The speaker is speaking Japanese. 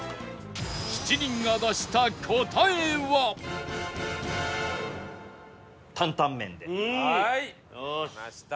７人が出した答えははいきました。